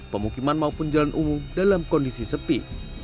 pemukiman maupun jalan umum dalam kondisi sepi